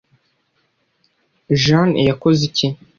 jean yakoze iki